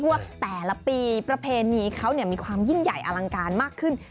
ว่าแต่ละปีประเพณีเขามีความยิ่งใหญ่อลังการมากขึ้น